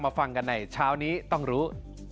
ฟังกันในเช้านี้ต้องรู้